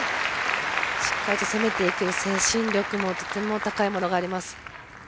しっかりと攻めていける精神力もとても高いものがあります。